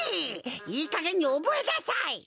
いいかげんにおぼえなさい！